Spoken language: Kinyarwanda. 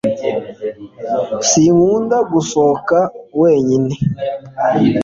sinkunda gusohoka wenyine